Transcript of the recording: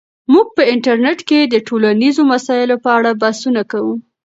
موږ په انټرنیټ کې د ټولنیزو مسایلو په اړه بحثونه کوو.